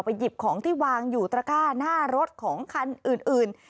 หยิบของที่วางอยู่ตระก้าหน้ารถของคันอื่น